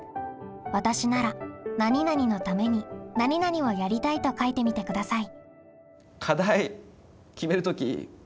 「わたしなら何々のために何々をやりたい」と書いてみてください。